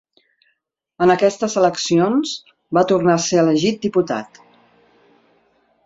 En aquestes eleccions va tornar a ser elegit diputat.